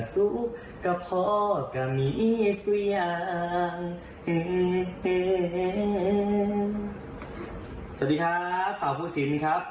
สวัสดีครับเป่าภูสินครับ